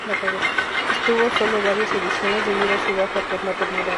Estuvo solo varias ediciones, debido a su baja por maternidad.